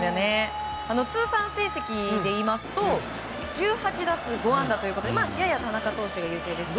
通算成績でいいますと１８打数５安打ということでやや田中投手が優勢ですが。